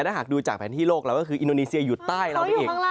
ถ้าหากดูจากแผนที่โลกเราก็คืออินโดนีเซียอยู่ใต้เราไปอีก